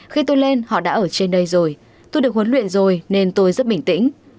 khi tôi lên họ đã ở trên đây rồi tôi được huấn luyện rồi nên tôi rất bình tĩnh